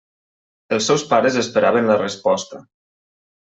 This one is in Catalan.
Els seus pares esperaven la resposta.